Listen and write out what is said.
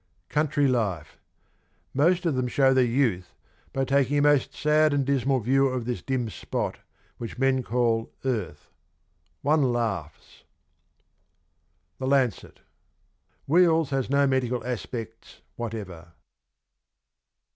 COUNTRY LIFE. Most of them show their youth by taking a most sad and dismal view of this dim spot which men call earth. ... One laughs. THE LANCET. ' Wheels " has no medical aspects whatever.'